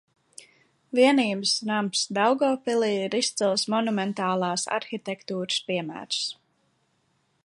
Vienības nams Daugavpilī ir izcils monumentālās arhitektūras piemērs.